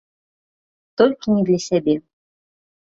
Толькі не для сябе.